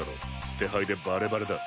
捨て牌でバレバレだ。